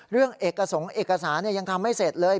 เรื่องเอกสงค์เอกสารยังทำไม่เสร็จเลย